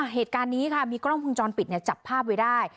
เหตุการณ์นี้ค่ะมีกล้องวงจรปิดจับภาพไว้ได้